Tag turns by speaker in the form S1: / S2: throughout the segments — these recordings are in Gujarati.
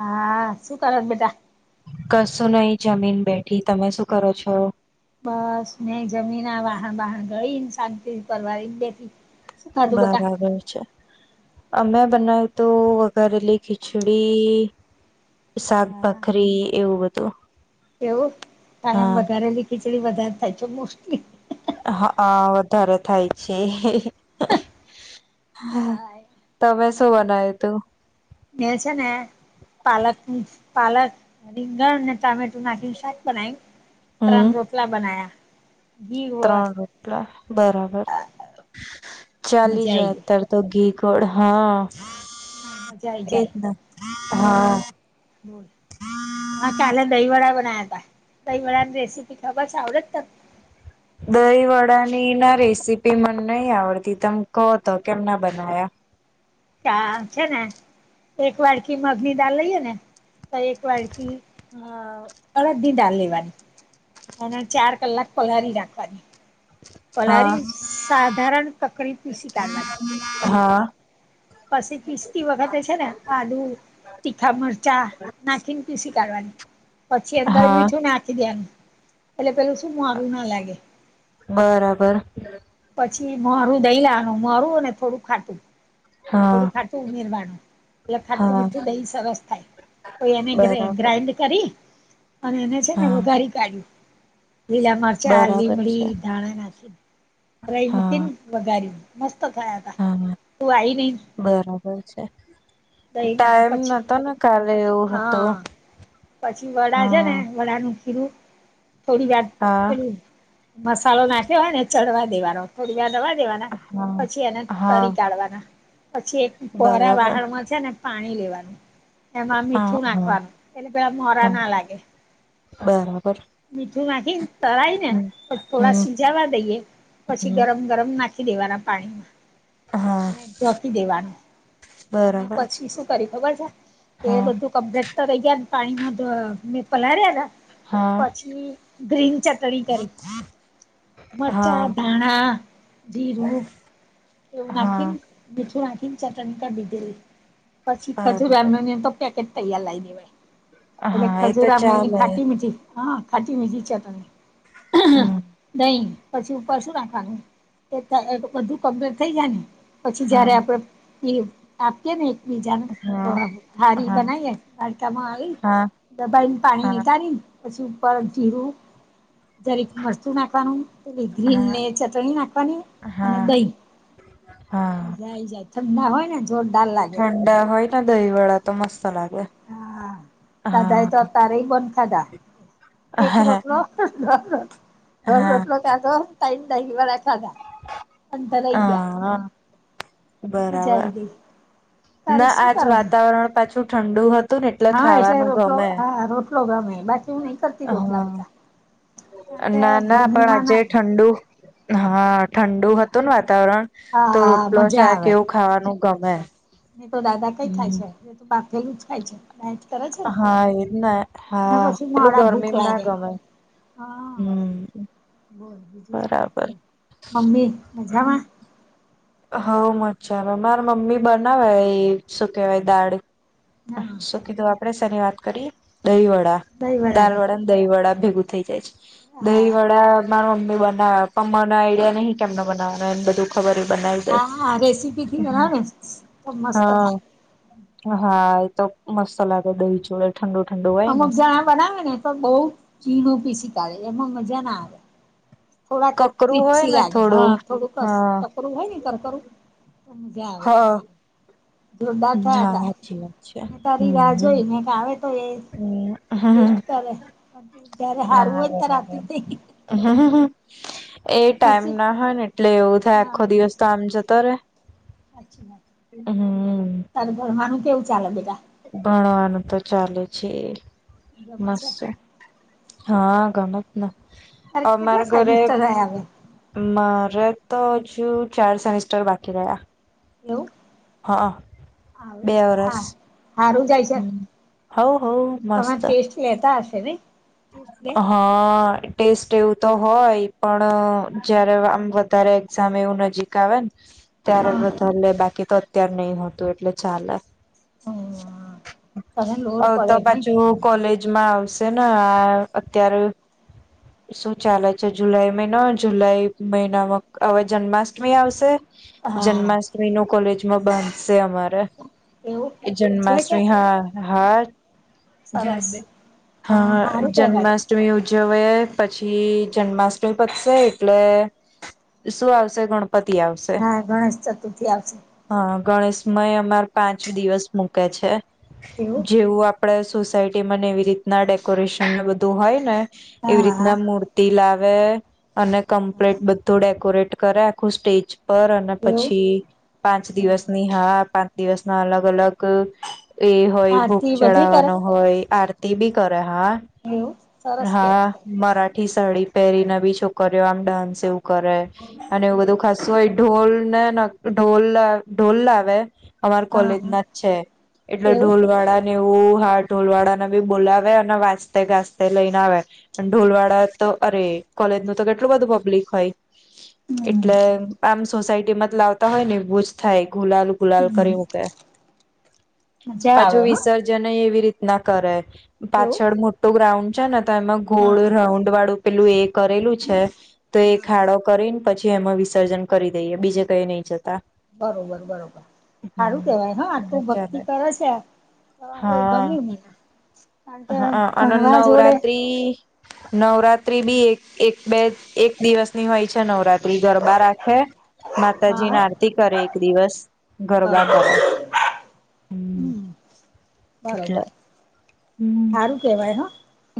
S1: હા શું કર બેટા
S2: કશું નહીિ જમીન બેઠી તમે શું કરો છો
S1: બસ મેં જમીન વાહણ વાહણ ગય શાંતિ ફવા બેસી
S2: બરાબર છે અમે બનાવ્યું તો વઘારેલી ખીચડી શાકભાખરી એવું બધું
S1: કેવું કાયમ
S2: હા
S1: બગારલી ખિચડી બધાર થ છે મોસ્ટલી
S2: હાા વધારે થાય છે હ તમે શું બનાવ્યું તું
S1: છે ને પાલક પાલક રીંગણ અનેને ટમેટો નાખીને શાક બનાય
S2: હમ
S1: ત્રણ રોટલા બનાયા ઘી વડ
S2: ત્રણ રૂપલા બરાબર ચાલી
S1: મજા આઈ
S2: જાય
S1: ગઈ
S2: અત્યારે તો ઘીકોડ હા
S1: મજા આઈ
S2: એ જ
S1: જાય
S2: ના હા
S1: [inaudible] હા કાલે દહી વડા બનાવ્યા હતા દહી વડાની રેસીપી ખબરસ આવડ શે તમને
S2: દહી વડાની ના રેસીપી મને નહી આવડતી તમે કહો તો કેમ ના બના્યા
S1: ચ છે ને એક વાડકી મગની દાલ લઈએ ને તો એક વાડકી અ અડદની દળ લેવાની અને ચાર કલાક પલળી નાખવાની
S2: હા
S1: પલારી સાધારણ કકડી પીસી કાઢવાગી
S2: હા
S1: પછી પિસ્તી વખતે છે ને આલુ તીખા મરચા નાખીને પી શી કરવાવાની પછી અંદર
S2: હા
S1: મીઠું નાખી દેનું એટલે પેલું શું મારું ના લાગે
S2: બરાબર
S1: પછી મરું દઈ લવાનું મરું ને થોડું ખાટું થોડું
S2: હા
S1: ખાટું ઉમેરવાનું એટલે ખાટું
S2: હા
S1: મીઠું દહી સરસ થાય તો એને
S2: બરાબર
S1: ગ્રાઇન્ડ- - કરી અને એને છે ને
S2: હા
S1: વધારી કાઢ્યું- - લીલા મરચા
S2: બરાબર
S1: લીમડી
S2: છે
S1: ધાણા નાખી રઈ
S2: હા
S1: મુકી- - વઘાર મસ્ત થયા તા
S2: હા
S1: તું આવી નહ- -
S2: બરાબર છે
S1: દઈ ના
S2: ટાઈમ
S1: પછી
S2: નતો ને કાલે એવું હતું.
S1: હા પછી વડા છે ને
S2: હા
S1: વડાનું- - ખીરું થોડી વાર
S2: હા
S1: પે મસાલો નાખેવાય ને ચડવા દેવાનો- - થોડીવા નવા દેવાના
S2: હા
S1: પછી એને
S2: હા
S1: તરી કાઢવાના- - પછી એક કોરા
S2: બરાબર
S1: વાહાણમાં છે ને પાણી લેવાનું- - એમાં
S2: હા
S1: મીઠું
S2: હા
S1: નાખવાનું એટલે પેલા મોરા
S2: હા
S1: ના લાગે.
S2: બરાબર.
S1: મીઠું નાખીને તળય ને-
S2: હમ
S1: - થોડા
S2: હમ
S1: સીજાવા દઈએ પછી
S2: હમ
S1: ગરમ ગરમ નાખી દેવાના પાણીમાં.
S2: હા
S1: અને ઝોકી દેવાનું અને
S2: બરાબર
S1: પછી શું કરી ખબર છે- - એ
S2: હા
S1: બધું કમ્પ્લેટ તો રહી ગયા ને પાણીમાં મેં પલાર્યા હતા- -
S2: હા
S1: પછી ગ્રીન ચટણી કરી- -
S2: હા
S1: મરચા ધાણા જીરું- - એવું
S2: હા
S1: નાખીને મીઠું નાખીને ચટણી કા બીધેલી- - પછી ખજ
S2: બરાબર
S1: તો પેકેટ તૈયાર લાવી દેવાાઈ- - એટલે
S2: હા એ તો
S1: ખજૂરામાંની
S2: ચાલે
S1: ખાટી મીઠી હા ખાટી મીઠી છે તમને-
S2: હમ
S1: - નઈ પછી ઉપર શું નાખવાનું એ બધું ગમભેર થઈ જાય- - પછી
S2: હા
S1: જયારે આપડે એઈ- - આપ કે ને એક બીજાને
S2: હા
S1: હારી
S2: હા
S1: બનાવીએકા આવી- -
S2: હા
S1: દબાઈ ને પાણી
S2: હા
S1: ની તાારીને- - પછી ઉપર જીરું દરેક વસ્તું નાખવાનું- - એટલે ગ્રીન
S2: હા
S1: ને ચટણી નાખવાની અને
S2: હા
S1: દહી- -
S2: હા
S1: મજા આવી જાય ઠંડા હોય ને જોરદાર લાગે.
S2: ઠંડા હોય ને દહી વળા તો મસ્ત લાગે.
S1: હા દાદા એ તો
S2: હા
S1: તારે બંધ ખાધા એક
S2: હા
S1: રોટલો- - ર
S2: હા
S1: નરરોતલો ક તો તમ લવા રા ખાદ- - અંદર હૈએ- -
S2: હા બરાબર
S1: ગઈ તારે
S2: ના
S1: શું
S2: આજ
S1: કરવાનું
S2: વાતાવરણ પાછું ઠંડુ હતું- - તું ને એટલે ખાવાનું ગમે.
S1: પ્રોગામમે બાત- -
S2: હા
S1: કારણ કે
S2: ના ના
S1: ઘરની
S2: પણ
S1: માં
S2: આજે
S1: ના
S2: ઠંડુ- - હા ઠંડુ હતું ને વાતાવરણ તો
S1: હા
S2: રોટલો
S1: મજા
S2: શાક
S1: આવે
S2: એવું ખાવાનું ગમે.
S1: તો દાદા કઈ થાય
S2: હમ
S1: છે એ બાફેલું જ ખાય છેઈ? કર છે ને
S2: હા એજ ને હા
S1: અને પછી
S2: પેલું
S1: માડા
S2: ગરમી
S1: ભૂખ
S2: ના
S1: લાગે
S2: ગમે
S1: હ- -
S2: હમ.
S1: બોલ
S2: બરાબર
S1: બીજુંતા મમ્મી મજામાં?
S2: હઉ મજા મારા મમ્મી બનાવે એ શું કેહેવાય દાળ- -
S1: હા
S2: શું કીધું આપડણે શની વાત કરીએ દહી વડા દાલ
S1: દહીવડાની
S2: વડા- - દહીં વડા ભેગું થઈ જાય છે દહી
S1: હા
S2: વડા- - માર મમ્મી બના પમ્મા ના આઈડિયા નહિ કેમને બનાવા એને બધું ખબર બનાવી દે.
S1: હા હા રેસીપી થી બના ને મસ્ત થાય.
S2: હા હા એ તો મસ્ત લાગે દહી ચળા. ઠડો ઠંડો- -
S1: અમુક જણા બનાવે ને તો બહુ ઝીણું પી શી કડે એમાં મજા ના આવે. થોડાક
S2: કકરું હોય
S1: પીઠ્સી
S2: ને
S1: લાગે હા થોડું કસ
S2: હા
S1: ટકરું હોય ને કર કરરું- - મજા આવે
S2: હા
S1: ખાવાની જોરદાર થયા ત
S2: હા સાચી વાત છે
S1: મે તારી રાહ
S2: હમ
S1: જોઈ ને- - ગાવ તો એ
S2: હમ
S1: ટેસ્ટ કરે પણ જયારે સારવું હોય ને ત્યારે આપ
S2: હમ એ ટાઈમ
S1: નસીબ
S2: ના હોય ને એટલે એવું થાય
S1: હા
S2: આખો દિવસ તો આમ જતો રે
S1: સાચી વાત
S2: હમ
S1: તારે ઘરવાનું કેવું ચાલે બેગા
S2: ભણવાનું તો ચાલે છે
S1: ગમે છે
S2: મસ્ત હા ગમેત ને
S1: તારે કેટલા
S2: અમારા ઘરે
S1: સેમિસ્ટર રહ્યા હવે
S2: મારે તો હજુ ચાર સેમિસ્ટર બાકી રહ્યા
S1: એવું
S2: હા બે વર્ષ
S1: હાર
S2: હમ હ હો મસ્ત
S1: લતા હશે ને ટેસ્ટ લે
S2: હા ટેસ્ટ એવું તો હોય પણ જયારે આમ વધારે એક્ઝામ એવું નજીક આવે ને
S1: હ
S2: અ્યારે બધા બાકી તો અત્યાર નહી હોતું એટલે ચાલે
S1: તમે
S2: હ
S1: લોડ
S2: તો
S1: પડે નઈ
S2: પાછું કોલેજમાં આવશે ને હા અત્યારે શું ચાલે છે જુલાઈ મહિનો જુલાઈ મહિનામાં હવે જન્માષ્ટમી આવશે
S1: હા
S2: જન્માષ્ટમી નું કોલેજમાં બંધશે અમારે
S1: એવું
S2: એ
S1: ઉજવે
S2: જન્માષ્ટમી હા હા
S1: સાારસ
S2: હ જન્મષ્ટમી અષ્ટમી ઉજજવે પછી જન્માષ્ટમી પસે એટલે શું આવશે ગણપતિ આવશે
S1: હા ગણેશ ચતુર્થી આવશે
S2: હા ગણેશમય અમાર પાંચ દિવસ મૂકે છે
S1: એવું
S2: જેવું આપણે સોસાયટી ને એવી રીતના ડેકોરેશન બધું હોય ને. એવી
S1: હા હા
S2: રીતના મૂર્ લાવે અને
S1: હા
S2: કમ્પ્લેટ બધું ડેકોરેટ કરે આખું સ્ટેજ પર અને
S1: એવું
S2: પછી પાંચ
S1: હમ
S2: દિવસની હા પાંચ દિવસ ના અલગ અલગ એ હોય ભૂખ
S1: આરતી બધી કરે
S2: ચડાવવાનો હોય આરતી બી કરે હા
S1: એવું સરસ
S2: હા
S1: કેવાય
S2: મરાઠી સાડીી પહેરીને બી છોકરીઓ આમ ડાન્સ એવું કરે અને એવું બધું ખસું હોય ઢોલ ને ઢોલ ઢોલ આવેે અમાર
S1: હા
S2: કોલેજ
S1: હા
S2: ના જ છે એટલે
S1: એવું
S2: ઢોલવાડા ને એવું હા ઢોલવાડા બી બોલાવે અને વાંજતે ગાજતે લઈને આવે. ઢોલવાડા તો અરે કોલેજ ન તો કેટલું બધું પબ્લિક હોય
S1: હમ
S2: એટલે આમ સોસાયટીમાં જ લાવતા હોય ને એવું જ થાય ઘુલાલુ ગુલાલ
S1: હમ
S2: કરી મૂકે
S1: મજા આવે
S2: પાછો
S1: હા
S2: વિસર્જ જન એવી રીતના કરે
S1: એવું
S2: પાછળ મોટું ગ્રાઉન્ડ છે ને તો એમાં ગો
S1: હા
S2: રાઉન્ડ વાળું પેલું એ કરેલું છે તો એ
S1: હા હા
S2: ખાડો કરીને પછી એમાં વિસર્જન કરી દઈએ બીજે કઈ નહી જતા
S1: બરોબર બરોબર સારું કેવાય હા
S2: એટલે
S1: આટલું ભક્તિ
S2: ચાલે
S1: કરે છે તમારે
S2: હા
S1: ગમ્યું મને. કારણ કે
S2: હા અને
S1: ભણવા જોડે
S2: નવરાત્રી નવરાત્રી બી એક એક બે એક દિવસની હોય છે નવરાત્રી ગરબા રાખે માતાજી
S1: હા
S2: ના આરતી કરે એક દિવસ ગરબા
S1: બરોબર
S2: કરે.
S1: હમ
S2: એટલે
S1: બરોબર
S2: હમ
S1: હા શું કેવાય હ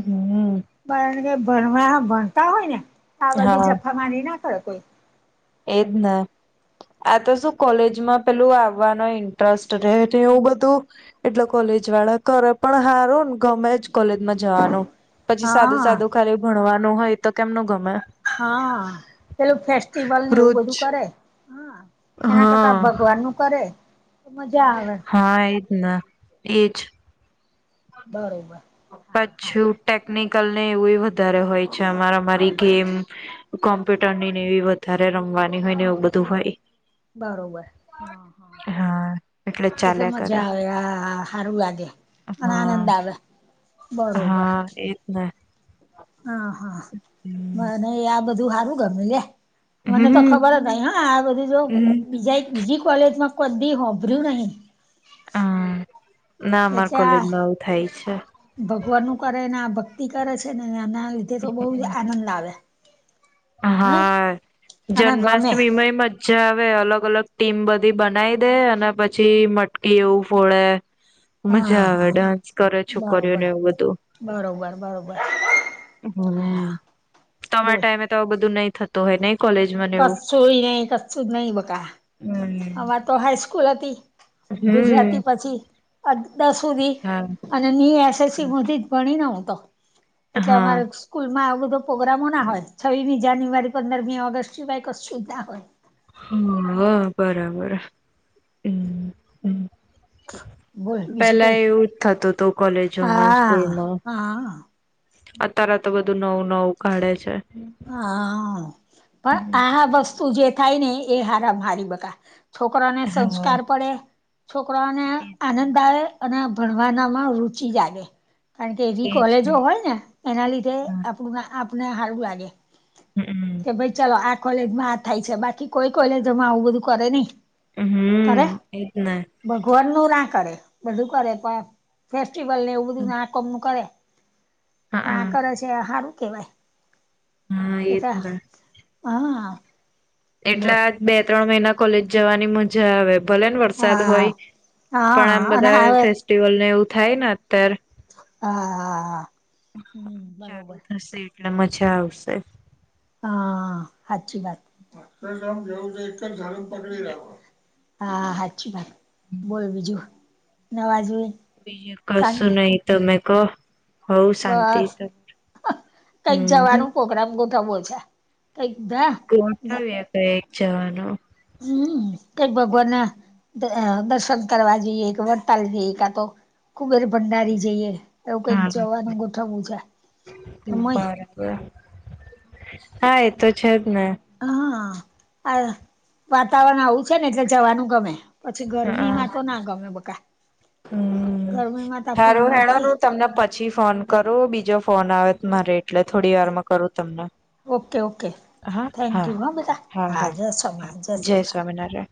S2: હમ
S1: પણ ભણવા ભણતા હોય ને આ બધી
S2: હા
S1: જફા મારી ના કરે કોઈ.
S2: એજ ન આ તો શું કોલેજમાં પેલું આવવાનો ઇન્ટરેસ્ટ રહે એવું બધું. એટલે કોલેજ વાળા કરે પણ હારો ને ગમે જ કોલેજમાં જવાનું. પછી સાદું
S1: હા
S2: સાદું ખાલી ભણવાનું હોય તો કેમનું ગમે.
S1: હા પેલું ફેસ્ટિવલ ને એવું
S2: રોજ
S1: બધું કરે. હા એના કરતા
S2: હા
S1: ભગવાન નું કરે તો મજા આવે.
S2: હા એજ ના એજ
S1: બરોબર હા હા
S2: પછું ટેકનિકલ ને એવું વધારે હોય છે અમારેમારી ગેમ કોમ્પ્યુટર નીને એવી વધારે રમવાની હોય ને એવું બધું હોય.
S1: બરોબર હા હા હા એટલે મજા આવે આ હારું લાગે અને
S2: હા
S1: આનંદ આવે. બરોબર
S2: ના
S1: હ હા મને આ બધું સારું ગમે લે મને
S2: હમ
S1: તો
S2: હમ
S1: ખબર જ નઈ હા આ બધું જો
S2: હમ
S1: બીજા બીજી કોલેજ માં કોઈ બી હોભર્યું નહીં.
S2: હા ના અમાર કોલેજમાં આવું થાય છે.
S1: ભગવાન નું કરે ને આ ભક્તિ કરે છે ને એના લીધે તો બહુ જ આનંદ આવે. [unintelligible] નઈ
S2: હા
S1: અને ગમે
S2: જન્માષ્ટમીમાંય એમજ અચ્છા હવે અલગ અલગ ટીમ બધી બનાવી દે અને પછી મટકી એવું ફોડે.
S1: હ [unintelligible]
S2: મજા આવે ડાન્સ કરે છોકરીઓને એવું બધું.
S1: બરોબર બરોબર
S2: હમ
S1: હા
S2: તમારા
S1: બોલ
S2: ટાઈમે તો બધું નહી થતું હોય ને. કોલેજમાં ને એવું
S1: કસુંય નહી કસું નહી
S2: હમ
S1: બકા વાત તો હાઈસ્કૂલ હતી
S2: હમ
S1: ગુજરાતી પછી દસ સુધી.
S2: હા
S1: અને ની એસએસસી મો જ ભણી ન હું તો એટલે
S2: હા
S1: અમારે સ્કૂલ માં આવ બધો પ્રોગ્રામો ના હોય છ્મી જાન્યુઆરી પંદરમી ઓગસ્ટ સિવાય કશું ના હોય.
S2: હા હા બરાબર હમ હમ
S1: બોલ બીજું
S2: પેલા
S1: કઈ
S2: એવું જ થતું હતું કોલેજોમાં
S1: હા
S2: સ્કૂલમાં
S1: હા
S2: અત્યારે તો બધું નવું નવું કાઢે છે.
S1: હા પણ
S2: હમ
S1: આ વસ્તુ જે થાય ને એ હારમ હારી બકા છોકરાને
S2: હા
S1: સંસ્કાર પડે છોકરાને
S2: એજને
S1: આનંદ આવે. અને ભણવાનામાં રુચિ લાગે. કારણ કે એવી કોલેજો હોય ને એના લીધે
S2: હા
S1: આપણું આપને સારું લાગે.
S2: હમ.
S1: કે ભાઈ ચાલો આ કોલેજમાં આ થાય છે બાકી કોઈ કોલેજમાં આવું બધું કરે નહી. કરે
S2: હમ એજને
S1: ભગવાનનુ ના કરે બધું કરે પણ ફેસ્ટિવલ ને એવું બધું ના કોમનું કરે
S2: હા
S1: પણ આ
S2: હા
S1: કરે છે સારું કેવાય એ કે
S2: એજને
S1: હા
S2: એટલે
S1: બોલ
S2: આ બે ત્રણ મહિના કોલેજ જવાની મજા આવે ભલે ને વરસાદ
S1: હા
S2: હોય પણ આમ
S1: હા અને
S2: બધા
S1: હવે
S2: ફેસ્ટિવલને એવું થાય ન અત્યારે
S1: હા હમ
S2: ચાલુ
S1: બરોબર
S2: થશે એટલે મજા આવશે.
S1: હા હાચી વાત [unintelligible] હા સાચી વાત બોલ બીજું નવા જુની
S2: બીજ કશું નહી તમે કો
S1: બસ કઈક
S2: હમ
S1: જવાનું પ્રોગ્રામ ગોઠવવો છે કઈક
S2: ગોઠાવ્યા કઈક જવાનો
S1: હમ કઈક ભગવાનના દર્શન કરવા જઈએ વડતાલ જઈએ કા તો કુબેર ભંડારી જઈએ. એવું કઈક
S2: હા બરાબર
S1: જવાનું ગોઠવું છે કે મય
S2: હા એ તો છે જ ને
S1: હા આ વાતાવરણ આવું છે ને એટલે જવાનું ગમે. પછી ગરમી
S2: હા
S1: માં તો ના ગમે બકા.
S2: હમ
S1: ગરમીમાં તો આપડી
S2: હારું
S1: ઉંમર
S2: હેડો ન
S1: થાય
S2: હું તમને પ પછી ફોન કરો બીજો ફોન આવે મારે એટલે થોડી વારમાં કરું તમને
S1: ઓકે ઓકે
S2: હા
S1: થેન્ક
S2: હા
S1: યુ બેટા
S2: હા હા
S1: જય
S2: હા
S1: સોમનાથ
S2: જય
S1: સોમનાથ
S2: સ્વામિનારાયણ.